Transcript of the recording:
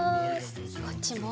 こっちも。